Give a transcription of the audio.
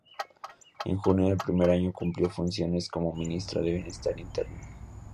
En junio del primer año cumplió funciones como ministro de Bienestar interino.